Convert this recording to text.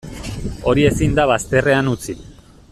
Hori ezin da bazterrean utzi.